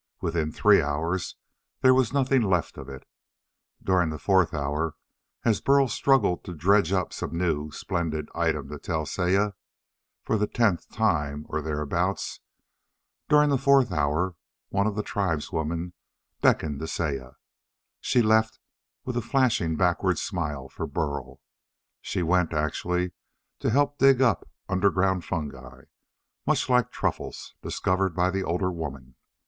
Within three hours there was nothing left of it. During the fourth hour as Burl struggled to dredge up some new, splendid item to tell Saya for the tenth time, or thereabouts during the fourth hour one of the tribeswomen beckoned to Saya. She left with a flashing backward smile for Burl. She went, actually, to help dig up underground fungi much like truffles discovered by the older woman.